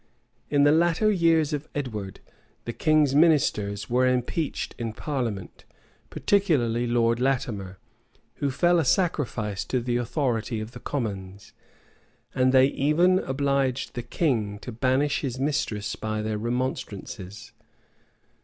In the latter years of Edward, the king's ministers were impeached in parliament, particularly Lord Latimer, who fell a sacrifice to the Authority of the commons;[] and they even obliged the king to banish his mistress by their remonstrances.